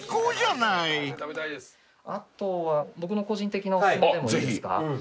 あとは僕の個人的なお薦めでもいいですか。